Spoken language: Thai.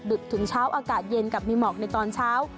ึกถึงเช้าอากาศเย็นกับมีหมอกในตอนเช้า